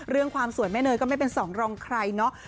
ความสวยแม่เนยก็ไม่เป็นสองรองใครเนาะ